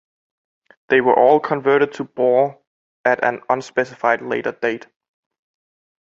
They were all converted to bore at an unspecified later date.